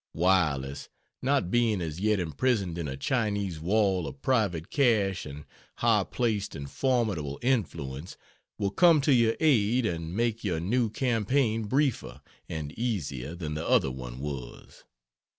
Wireless, not being as yet imprisoned in a Chinese wall of private cash and high placed and formidable influence, will come to your aid and make your new campaign briefer and easier than the other one was.